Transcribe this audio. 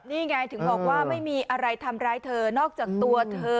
นี่ไงถึงบอกว่าไม่มีอะไรทำร้ายเธอนอกจากตัวเธอ